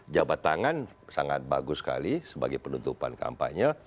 jabat tangan sangat bagus sekali sebagai penutupan kampanye